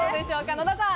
野田さん。